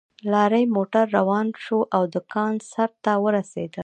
لارۍ موټر روان شو او د کان سر ته ورسېدل